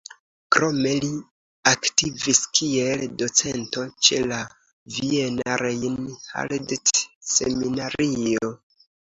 Krome li aktivis kiel docento ĉe la Viena Reinhardt-Seminario.